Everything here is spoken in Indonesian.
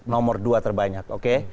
nomor dua terbanyak oke